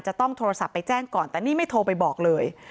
จะต้องโทรศัพท์ไปแจ้งก่อนแต่นี่ไม่โทรไปบอกเลย